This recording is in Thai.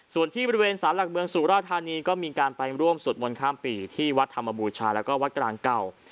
ส่วนที่บริเวณสารหลักเมืองสุราธานีก็มีการไปร่วมสวดมนต์ข้ามปีที่วัดธรรมบูชาแล้วก็วัดกลางเก่า